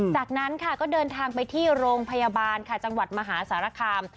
จากนั้นค่ะก็เดินทางไปที่โรงพยาบาลค่ะจังหวัดมหาสารคาม